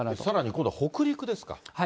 さらに今度は北陸ですか。